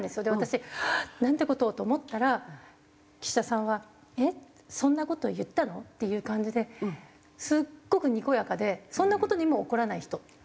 で私なんて事を！と思ったら岸田さんはえっそんな事言ったの？っていう感じですっごくにこやかでそんな事にも怒らない人。